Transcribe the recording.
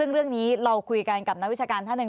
ซึ่งเรื่องนี้เราคุยกันกับนักวิชาการท่านหนึ่ง